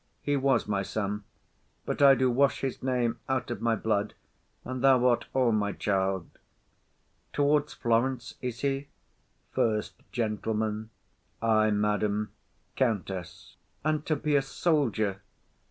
He was my son, But I do wash his name out of my blood, And thou art all my child. Towards Florence is he? SECOND GENTLEMAN. Ay, madam. COUNTESS. And to be a soldier?